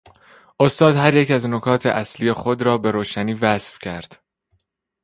استاد هر یک از نکات اصلی خود را به روشنی وصف کرد.